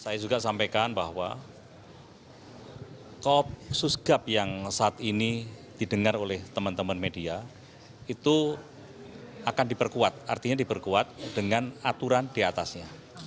saya juga sampaikan bahwa kopsus gap yang saat ini didengar oleh teman teman media itu akan diperkuat artinya diperkuat dengan aturan diatasnya